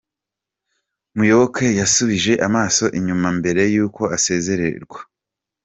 Muyoboke yasubije amaso inyuma mbere y’uko asezererwa.